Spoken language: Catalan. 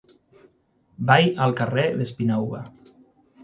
Vaig al carrer d'Espinauga.